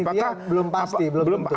nah tapi kan intinya belum pasti belum tentu